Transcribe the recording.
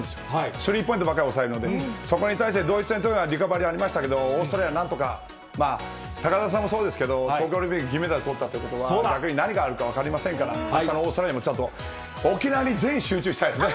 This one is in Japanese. スリーポイントばっかり抑えるので、そこに対して、ドイツ戦はリカバリーありましたけれども、オーストラリアはなんとか、高田さんもそうですけど、東京オリンピック、銀メダルとったっていうことは、逆に何があるか分かりませんから、あしたのオーストラリアもちゃんと、沖縄に全集中したいですね。